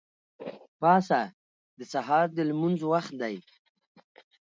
پاڅه! د سهار د لمونځ وخت دی.